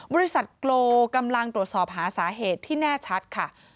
บริษัทโกลกำลังตรวจสอบหาสาเหตุที่แน่ชัดค่ะ